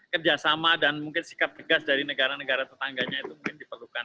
kerjasama dan mungkin sikap tegas dari negara negara tetangganya itu mungkin diperlukan